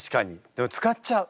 でも使っちゃう。